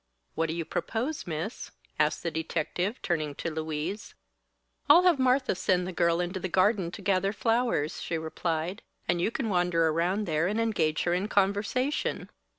"What do you propose, miss?" asked the detective, turning to Louise. "I'll have Martha send the girl into the garden to gather flowers," she replied; "and you can wander around there and engage her in conversation."